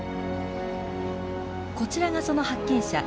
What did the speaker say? こちらがその発見者。